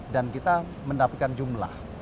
dan kita mendapatkan jumlah